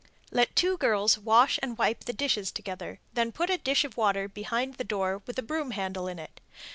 Let two girls wash and wipe the dishes together, then put a dish of water behind the door with a broom handle in it.